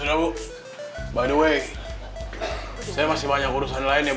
oh sudah bu by the way saya masih banyak urusan lain ya bu ya